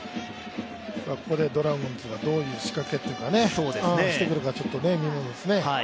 ここでドラゴンズがどういう仕掛けをしてくるか、ちょっと見ものですね。